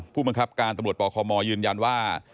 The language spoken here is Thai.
ผู้บังคับการตำรวจปคมยืนยันว่า